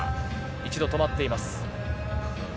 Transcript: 一度止まっています。